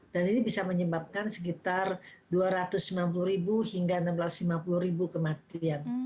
dan ini bisa menyebabkan sekitar dua ratus lima puluh hingga enam ratus lima puluh kematian